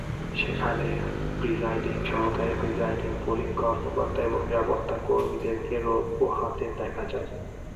সেখানে প্রিসাইডিং, সহকারী presiding, polling কর্মকর্তা এবং নিরাপত্তাকর্মীদেরকে রোদ পোহাতে দেখা যায়।